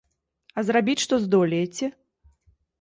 А зрабіць што здолееце?